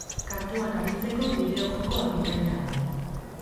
Kantuan aritzeko bideojoko bikaina da.